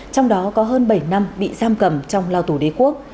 trong đó có hơn bảy năm bị giam cầm trong lao tù đế quốc